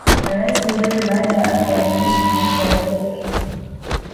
na Rais Nyerere baada ya hapo aliishi maisha ya upweke